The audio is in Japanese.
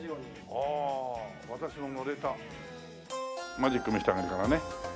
マジック見せてあげるからね。